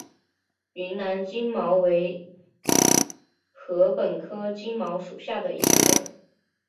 云南金茅为禾本科金茅属下的一个种。